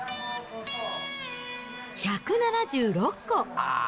１７６個。